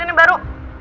pilih ini baru